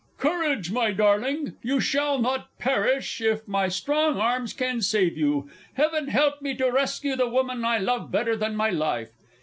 "Courage, my darling! You shall not perish if my strong arms can save you. Heaven help me to rescue the woman I love better than my life!")